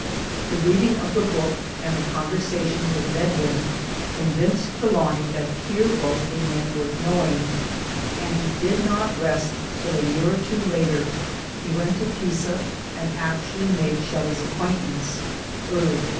The reading of the book and the conver sations with Medwin convinced Trelawny that here was a man worth knowing ; and he did not rest till a year or two later he went to Pisa and actually made Shelley's acquaintance (early in 1822).